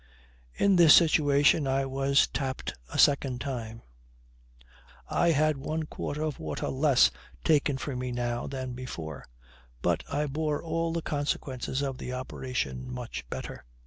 In this situation I was tapped a second time. I had one quart of water less taken from me now than before; but I bore all the consequences of the operation much better.